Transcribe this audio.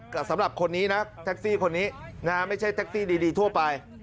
แต่สำหรับคนนี้นะแท็กซี่คนนี้นะฮะไม่ใช่แท็กซี่ดีทั่วไป